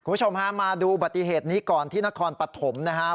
คุณผู้ชมฮะมาดูอุบัติเหตุนี้ก่อนที่นครปฐมนะฮะ